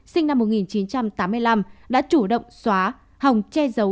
sinh năm một nghìn chín trăm tám mươi năm đã chủ động xóa hòng che giấu